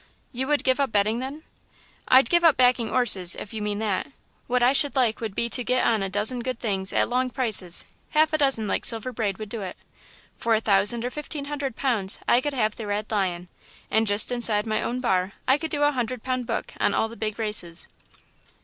"You would give up betting then?" "I'd give up backing 'orses, if you mean that.... What I should like would be to get on to a dozen good things at long prices half a dozen like Silver Braid would do it. For a thousand or fifteen hundred pounds I could have the 'Red Lion,' and just inside my own bar I could do a hundred pound book on all the big races."